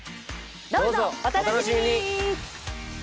どうぞお楽しみに！